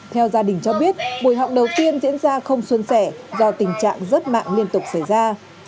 theo gia đình cho biết buổi học đầu tiên diễn ra không xuân sẻ do tình trạng rất mạng liên tục xảy ra